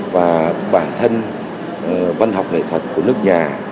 và bản thân văn học nghệ thuật của nước nhà